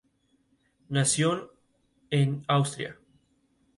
Nació en Austria.